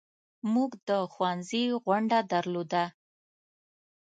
موږ د ښوونځي غونډه درلوده.